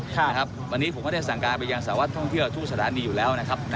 ครับวันนี้ผมก็ได้สั่งการไปยังสาวะท่องเที่ยวทุกสถานีอยู่แล้วนะครับ